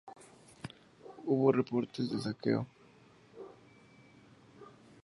Hubo reportes de saqueo.